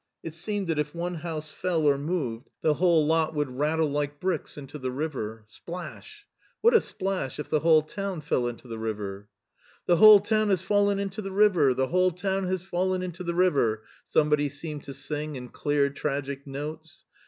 It seemed that if one house fell or moved the whole lot would rattle like bricks into the river. Splash ! what a splash if the whole town fell into the river! " The whole town has fallen into the river ! The whole town has fallen into the river!'* somebody seemed to sing in clear, tragic notes.